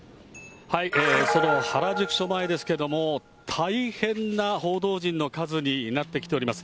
その原宿署前ですけれども、大変な報道陣の数になってきております。